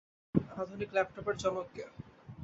আধুনিক ল্যাপটপের জনক কে?